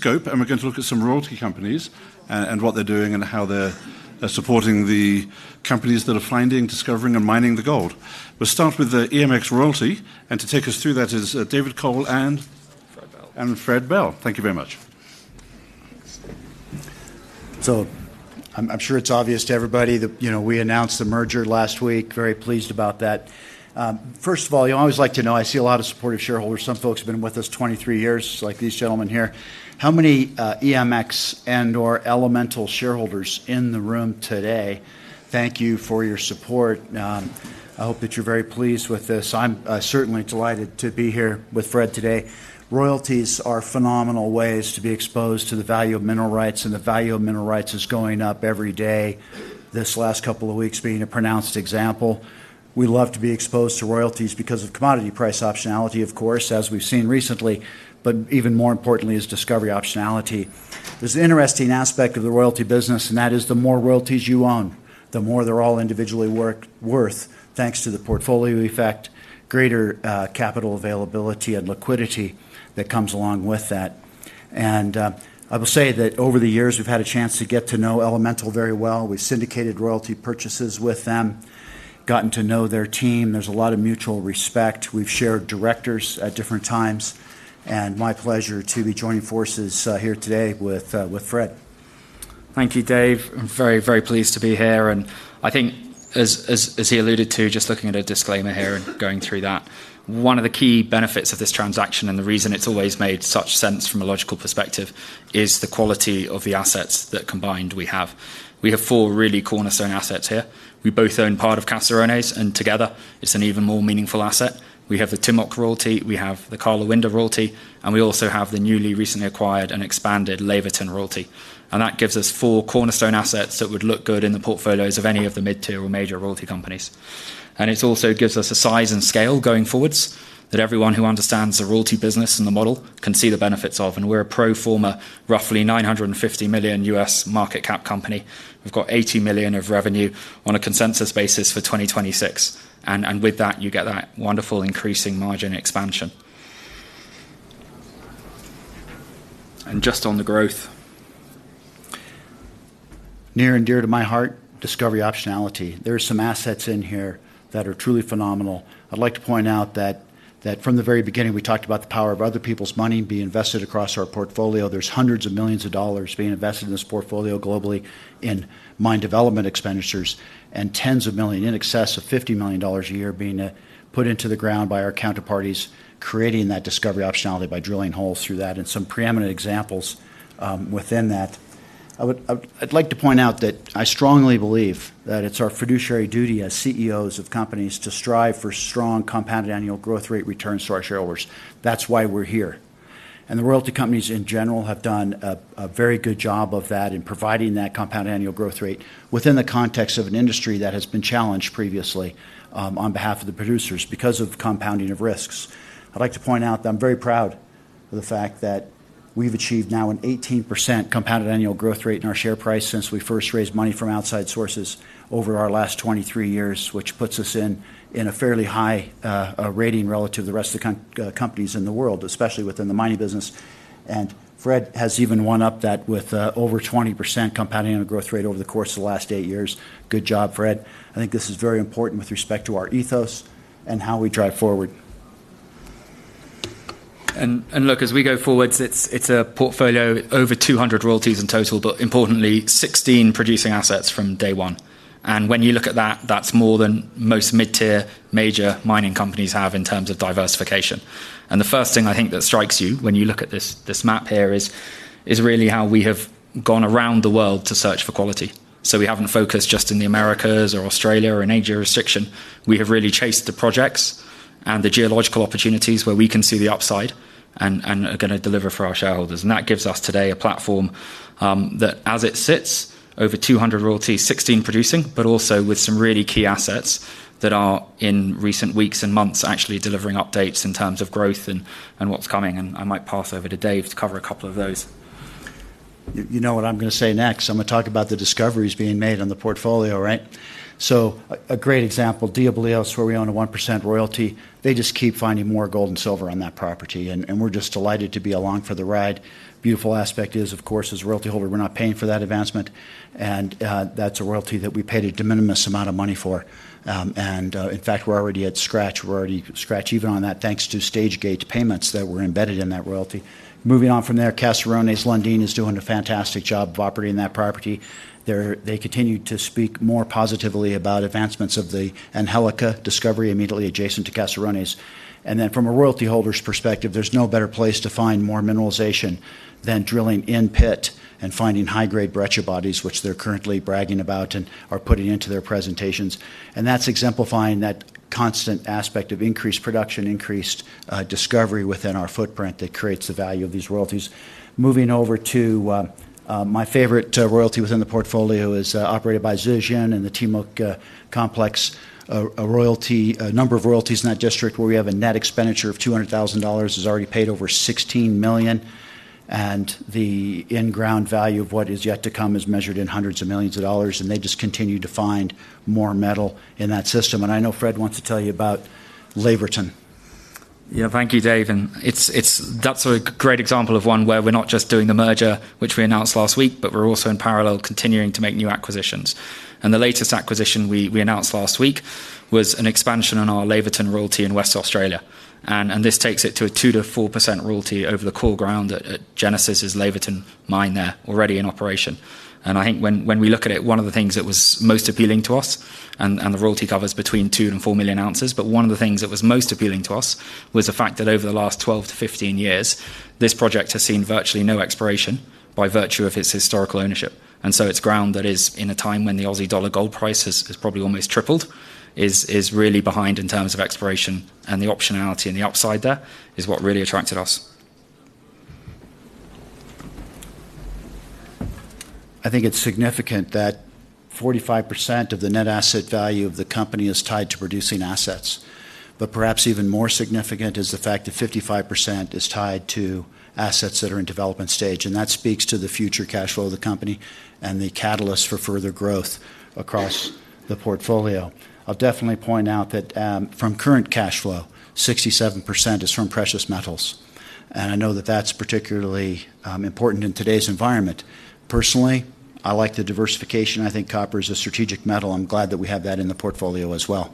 Scope, and we're going to look at some royalty companies and what they're doing and how they're supporting the companies that are finding, discovering, and mining the gold. We'll start with EMX Royalty, and to take us through that is David M. Cole and... Fred Bell. Fred Bell, thank you very much. I'm sure it's obvious to everybody that we announced the merger last week. Very pleased about that. First of all, I always like to note, I see a lot of supportive shareholders. Some folks have been with us 23 years, like these gentlemen here. How many EMX and/or Elemental shareholders in the room today? Thank you for your support. I hope that you're very pleased with this. I'm certainly delighted to be here with Fred today. Royalties are phenomenal ways to be exposed to the value of mineral rights, and the value of mineral rights is going up every day. This last couple of weeks being a pronounced example. We love to be exposed to royalties because of commodity price optionality, of course, as we've seen recently, but even more importantly is discovery optionality. There's an interesting aspect of the royalty business, and that is the more royalties you own, the more they're all individually worth, thanks to the portfolio effect, greater capital availability, and liquidity that comes along with that. I will say that over the years we've had a chance to get to know Elemental very well. We've syndicated royalty purchases with them, gotten to know their team. There's a lot of mutual respect. We've shared directors at different times, and my pleasure to be joining forces here today with Fred. Thank you, Dave. I'm very, very pleased to be here. I think, as he alluded to, just looking at a disclaimer here and going through that, one of the key benefits of this transaction and the reason it's always made such sense from a logical perspective is the quality of the assets that combined we have. We have four really cornerstone assets here. We both own part of Caserones, and together it's an even more meaningful asset. We have the Timok royalty, we have the Karlawinda royalty, and we also have the newly recently acquired and expanded Laverton royalty. That gives us four cornerstone assets that would look good in the portfolios of any of the mid-tier or major royalty companies. It also gives us a size and scale going forwards that everyone who understands the royalty business and the model can see the benefits of. We're a pro-forma, roughly $950 million U.S. market cap company. We've got $80 million of revenue on a consensus basis for 2026. With that, you get that wonderful increasing margin expansion. Just on the growth, near and dear to my heart, discovery optionality. There are some assets in here that are truly phenomenal. I'd like to point out that from the very beginning, we talked about the power of other people's money being invested across our portfolio. There's hundreds of millions of dollars being invested in this portfolio globally in mine development expenditures and tens of millions, in excess of $50 million a year being put into the ground by our counterparties, creating that discovery optionality by drilling holes through that and some preeminent examples within that. I'd like to point out that I strongly believe that it's our fiduciary duty as CEOs of companies to strive for strong compounded annual growth rate returns to our shareholders. That's why we're here. The royalty companies in general have done a very good job of that in providing that compounded annual growth rate within the context of an industry that has been challenged previously on behalf of the producers because of compounding of risks. I'm very proud of the fact that we've achieved now an 18% compounded annual growth rate in our share price since we first raised money from outside sources over our last 23 years, which puts us in a fairly high rating relative to the rest of the companies in the world, especially within the mining business. Fred has even one-upped that with over 20% compounding on a growth rate over the course of the last eight years. Good job, Fred. I think this is very important with respect to our ethos and how we drive forward. As we go forward, it's a portfolio over 200 royalties in total, but importantly, 16 producing assets from day one. When you look at that, that's more than most mid-tier major mining companies have in terms of diversification. The first thing I think that strikes you when you look at this map here is really how we have gone around the world to search for quality. We haven't focused just in the Americas or Australia or in Asia or restriction. We have really chased the projects and the geological opportunities where we can see the upside and are going to deliver for our shareholders. That gives us today a platform that, as it sits, over 200 royalties, 16 producing, but also with some really key assets that are in recent weeks and months actually delivering updates in terms of growth and what's coming. I might pass over to Dave to cover a couple of those. You know what I'm going to say next? I'm going to talk about the discoveries being made on the portfolio, right? A great example, Diabloyos, where we own a 1% royalty. They just keep finding more gold and silver on that property, and we're just delighted to be along for the ride. The beautiful aspect is, of course, as royalty holder, we're not paying for that advancement, and that's a royalty that we paid a de minimis amount of money for. In fact, we're already at scratch. We're already scratch even on that, thanks to Stagegate payments that were embedded in that royalty. Moving on from there, Caserones, Lundin is doing a fantastic job of operating that property. They continue to speak more positively about advancements of the Angelica discovery immediately adjacent to Caserones. From a royalty holder's perspective, there's no better place to find more mineralization than drilling in pit and finding high-grade breccia bodies, which they're currently bragging about and are putting into their presentations. That's exemplifying that constant aspect of increased production, increased discovery within our footprint that creates the value of these royalties. Moving over to my favorite royalty within the portfolio, it is operated by Zijin and the Timok complex. A number of royalties in that district where we have a net expenditure of $200,000 has already paid over $16 million. The in-ground value of what is yet to come is measured in hundreds of millions of dollars, and they just continue to find more metal in that system. I know Fred wants to tell you about Laverton. Yeah, thank you, Dave. That's a great example of one where we're not just doing the merger, which we announced last week, but we're also in parallel continuing to make new acquisitions. The latest acquisition we announced last week was an expansion on our Laverton royalty in Western Australia. This takes it to a 2% to 4% royalty over the core ground at Genesis's Laverton mine there already in operation. I think when we look at it, one of the things that was most appealing to us, and the royalty covers between 2 million and 4 million ounces, but one of the things that was most appealing to us was the fact that over the last 12 to 15 years, this project has seen virtually no exploration by virtue of its historical ownership. It's ground that is in a time when the Aussie dollar gold price has probably almost tripled, is really behind in terms of exploration, and the optionality and the upside there is what really attracted us. I think it's significant that 45% of the net asset value of the company is tied to producing assets. Perhaps even more significant is the fact that 55% is tied to assets that are in development stage, and that speaks to the future cash flow of the company and the catalyst for further growth across the portfolio. I'll definitely point out that from current cash flow, 67% is from precious metals. I know that that's particularly important in today's environment. Personally, I like the diversification. I think copper is a strategic metal. I'm glad that we have that in the portfolio as well.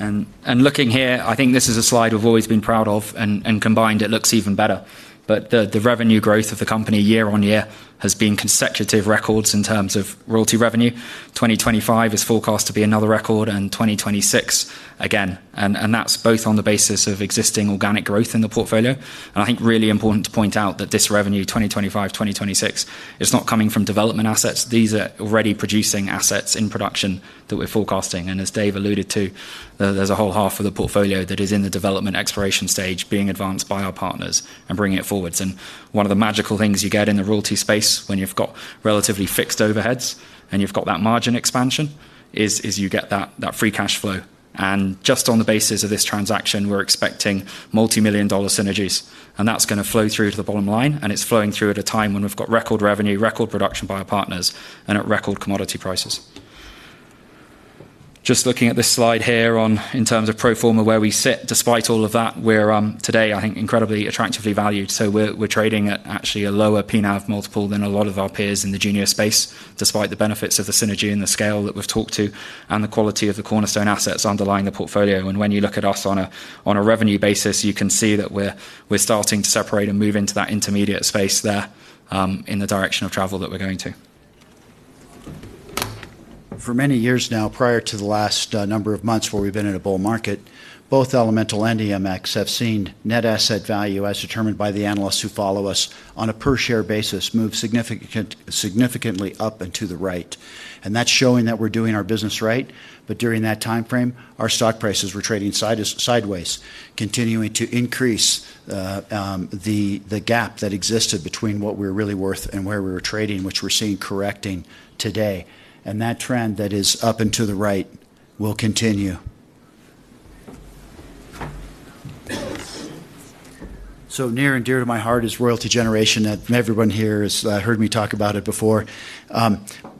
Looking here, I think this is a slide we've always been proud of, and combined, it looks even better. The revenue growth of the company year on year has been consecutive records in terms of royalty revenue. 2025 is forecast to be another record, and 2026 again. That's both on the basis of existing organic growth in the portfolio. I think it's really important to point out that this revenue, 2025, 2026, is not coming from development-stage assets. These are already producing assets in production that we're forecasting. As Dave alluded to, there's a whole half of the portfolio that is in the development exploration stage, being advanced by our partners and bringing it forwards. One of the magical things you get in the royalty space when you've got relatively fixed overheads and you've got that margin expansion is you get that free cash flow. Just on the basis of this transaction, we're expecting multimillion dollar synergies. That's going to flow through to the bottom line, and it's flowing through at a time when we've got record revenue, record production by our partners, and at record commodity prices. Looking at this slide here in terms of pro forma where we sit, despite all of that, we're today, I think, incredibly attractively valued. We're trading at actually a lower P/NAV multiple than a lot of our peers in the junior space, despite the benefits of the synergy and the scale that we've talked to and the quality of the cornerstone royalties underlying the portfolio. When you look at us on a revenue basis, you can see that we're starting to separate and move into that intermediate space there in the direction of travel that we're going to. For many years now, prior to the last number of months where we've been in a bull market, both Elemental and EMX have seen net asset value, as determined by the analysts who follow us, on a per share basis, move significantly up and to the right. That's showing that we're doing our business right. During that timeframe, our stock prices were trading sideways, continuing to increase the gap that existed between what we were really worth and where we were trading, which we're seeing correcting today. That trend that is up and to the right will continue. Near and dear to my heart is royalty generation. Everyone here has heard me talk about it before.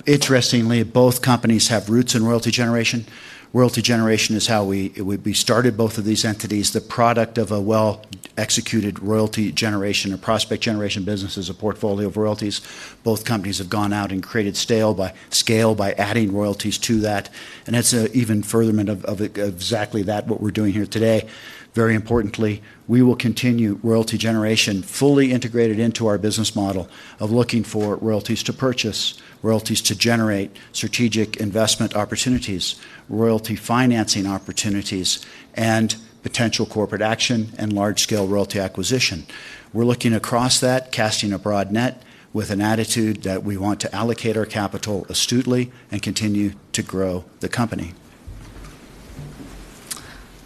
Interestingly, both companies have roots in royalty generation. Royalty generation is how we started both of these entities, the product of a well-executed royalty generation or prospect generation business is a portfolio of royalties. Both companies have gone out and created scale by adding royalties to that. That's an even furtherment of exactly that, what we're doing here today. Very importantly, we will continue royalty generation fully integrated into our business model of looking for royalties to purchase, royalties to generate, strategic investment opportunities, royalty financing opportunities, and potential corporate action and large-scale royalty acquisition. We're looking across that, casting a broad net with an attitude that we want to allocate our capital astutely and continue to grow the company.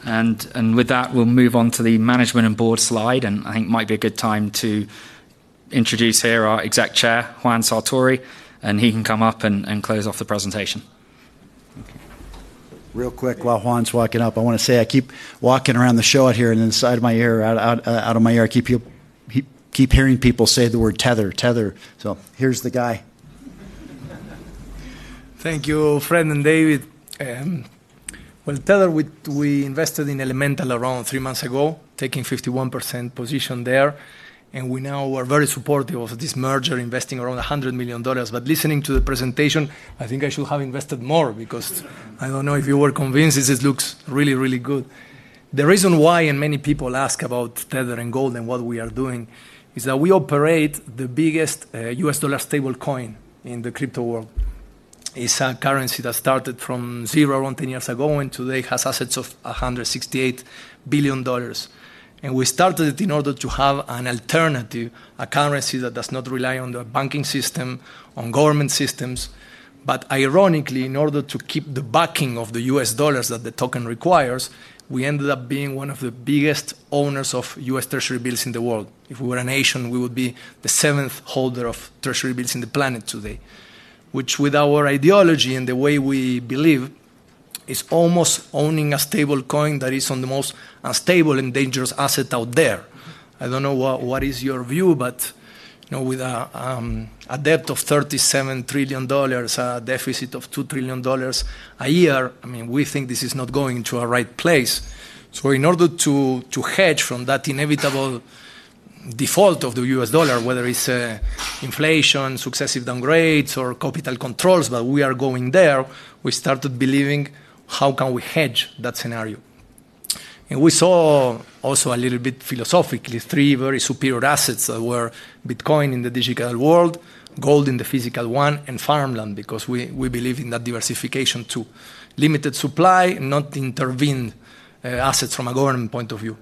We will move on to the Management and Board slide. I think it might be a good time to introduce here our Executive Chairman, Juan Sartori, and he can come up and close off the presentation. Real quick, while Juan's walking up, I want to say I keep walking around the shot here and inside my ear, out of my ear, I keep hearing people say the word Tether, Tether. Here's the guy. Thank you, Fred and David. Tether, we invested in Elemental around three months ago, taking a 51% position there. We now are very supportive of this merger, investing around $100 million. Listening to the presentation, I think I should have invested more because I don't know if you were convinced. It looks really, really good. The reason why, and many people ask about Tether and gold and what we are doing, is that we operate the biggest U.S. dollar stablecoin in the crypto world. It's a currency that started from zero around 10 years ago and today has assets of $168 billion. We started it in order to have an alternative, a currency that does not rely on the banking system, on government systems. Ironically, in order to keep the backing of the U.S. dollars that the token requires, we ended up being one of the biggest owners of U.S. Treasury bills in the world. If we were a nation, we would be the seventh holder of Treasury bills on the planet today, which with our ideology and the way we believe, is almost owning a stablecoin that is on the most unstable and dangerous asset out there. I don't know what is your view, but you know, with a debt of $37 trillion, a deficit of $2 trillion a year, I mean, we think this is not going to a right place. In order to hedge from that inevitable default of the U.S. dollar, whether it's inflation, successive downgrades, or capital controls, we are going there, we started believing, how can we hedge that scenario? We saw also a little bit philosophically, three very superior assets that were Bitcoin in the digital world, gold in the physical one, and farmland because we believe in that diversification too. Limited supply, not intervened assets from a government point of view.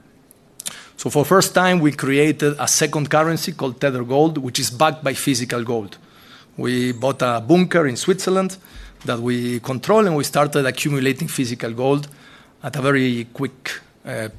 For the first time, we created a second currency called Tether Gold, which is backed by physical gold. We bought a bunker in Switzerland that we control, and we started accumulating physical gold at a very quick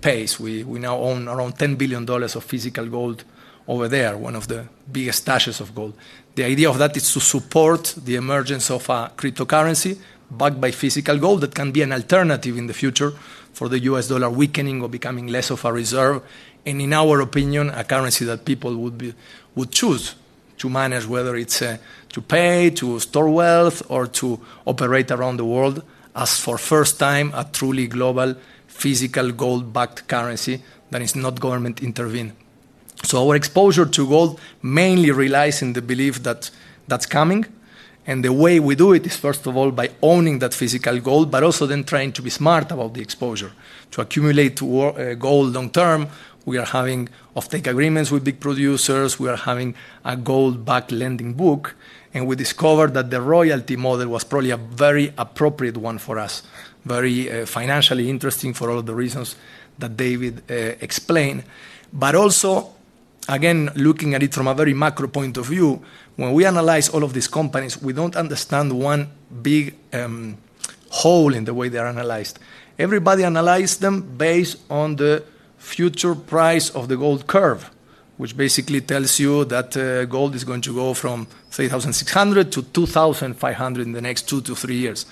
pace. We now own around $10 billion of physical gold over there, one of the biggest stashes of gold. The idea of that is to support the emergence of a cryptocurrency backed by physical gold that can be an alternative in the future for the U.S. dollar weakening or becoming less of a reserve. In our opinion, a currency that people would choose to manage, whether it's to pay, to store wealth, or to operate around the world, is for the first time a truly global physical gold-backed currency that is not government intervened. Our exposure to gold mainly relies on the belief that that's coming. The way we do it is, first of all, by owning that physical gold, but also then trying to be smart about the exposure. To accumulate gold long term, we are having off-take agreements with big producers. We are having a gold-backed lending book. We discovered that the royalty model was probably a very appropriate one for us, very financially interesting for all of the reasons that David explained. Also, again, looking at it from a very macro point of view, when we analyze all of these companies, we don't understand one big hole in the way they are analyzed. Everybody analyzes them based on the future price of the gold curve, which basically tells you that gold is going to go from $3,600 to $2,500 in the next two to three years.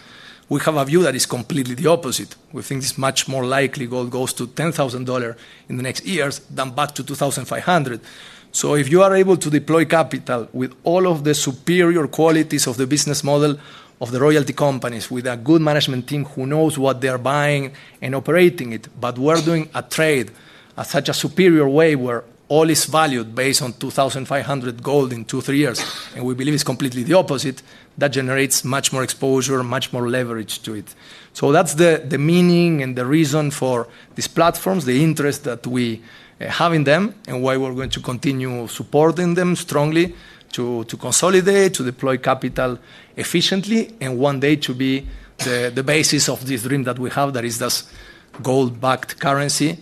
We have a view that is completely the opposite. We think it's much more likely gold goes to $10,000 in the next years than back to $2,500. If you are able to deploy capital with all of the superior qualities of the business model of the royalty companies, with a good management team who knows what they're buying and operating it, we're doing a trade in such a superior way where all is valued based on $2,500 gold in two, three years, and we believe it's completely the opposite, that generates much more exposure, much more leverage to it. That's the meaning and the reason for these platforms, the interest that we have in them, and why we're going to continue supporting them strongly to consolidate, to deploy capital efficiently, and one day to be the basis of this dream that we have, that is this gold-backed currency.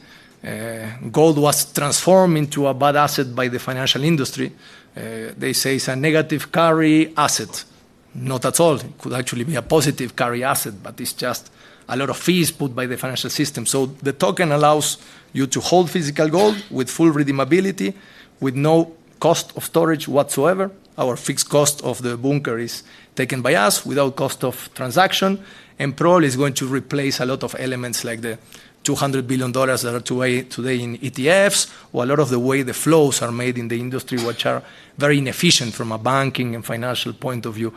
Gold was transformed into a bad asset by the financial industry. They say it's a negative carry asset. Not at all. It could actually be a positive carry asset, but it's just a lot of fees put by the financial system. The token allows you to hold physical gold with full redeemability, with no cost of storage whatsoever. Our fixed cost of the bunker is taken by us without cost of transaction, and probably is going to replace a lot of elements like the $200 billion that are today in ETFs, or a lot of the way the flows are made in the industry, which are very inefficient from a banking and financial point of view.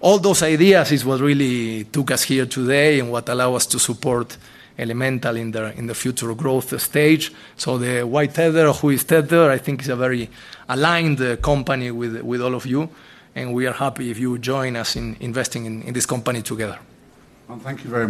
All those ideas are what really took us here today and what allowed us to support Elemental in the future growth stage. The why Tether, who is Tether, I think is a very aligned company with all of you, and we are happy if you join us in investing in this company together. Thank you very much.